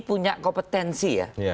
punya kompetensi ya